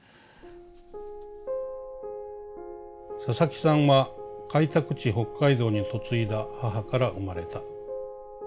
「佐々木さんは開拓地・北海道に嫁いだ母から生まれた。